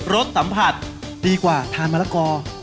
รสสัมผัสดีกว่าทานมะละกอ